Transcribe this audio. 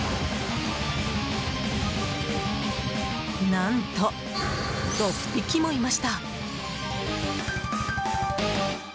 何と、６匹もいました。